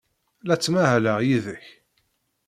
La ttmahaleɣ yid-k.